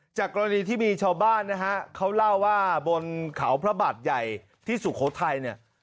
กรณีที่มีชาวบ้านนะฮะเขาเล่าว่าบนเขาพระบาทใหญ่ที่สุโขทัยเนี่ย